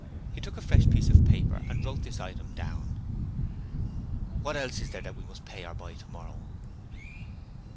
He took a fresh piece of paper and wrote this item down. 'What else is there that we must pay or buy tomorrow?'